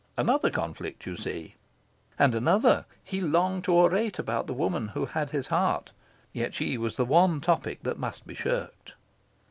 Another conflict, you see. And another. He longed to orate about the woman who had his heart; yet she was the one topic that must be shirked.